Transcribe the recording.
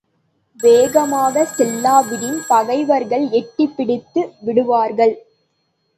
வேகமாய்ச்செல்லாவிடின் பகைவர்கள் எட்டிப் பிடித்து விடுவார்கள்.